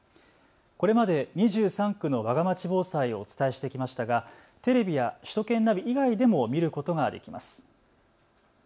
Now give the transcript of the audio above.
これまで２３区のわがまち防災をお伝えしてきましたがテレビや首都圏ナビ以外でも見ることができます。